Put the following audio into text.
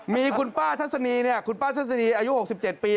มีคุณป้าทัศนีเนี่ยคุณป้าทัศนีอายุ๖๗ปี